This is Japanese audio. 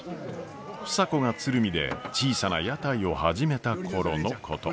房子が鶴見で小さな屋台を始めた頃のこと。